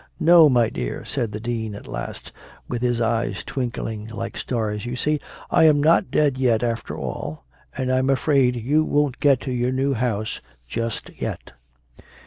"No, my dear," said the Dean at last, with his eyes twinkling like stars, "you see I m not dead yet, after all, and I m afraid you won t get to your new house just yet."